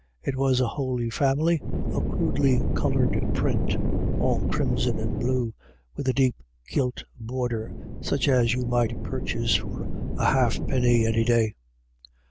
It was a Holy Family, a crudely coloured print, all crimson and blue, with a deep gilt border, such as you might purchase for a halfpenny any day.